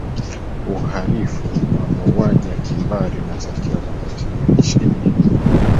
uharifu wa mauaji ya kimbari unatakiwa kufatiliwa kisheria